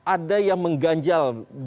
ada yang mengganjal